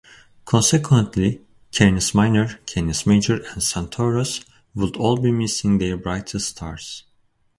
Consequently, Canis Minor, Canis Major, and Centaurus would all be missing their brightest stars.